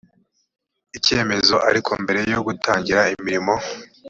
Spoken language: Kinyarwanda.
icyemezo ariko mbere yo gutangira imirimo